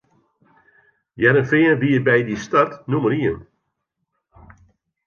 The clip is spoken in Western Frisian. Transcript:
Hearrenfean wie by dy start nûmer ien.